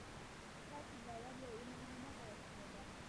ستاسې باور یا ایمان هماغه وسیله ده